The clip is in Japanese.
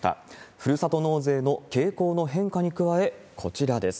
ふるさと納税の傾向の変化に加え、こちらです。